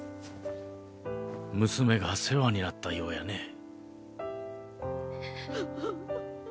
娘が世話になったようやね。